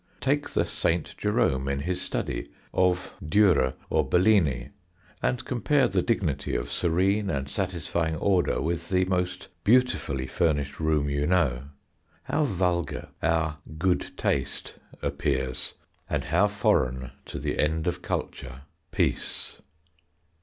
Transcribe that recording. Take the St. Jerome in his study of Dürer or Bellini, and compare the dignity of serene and satisfying order with the most beautifully furnished room you know: how vulgar our good taste appears and how foreign to the end of culture Peace.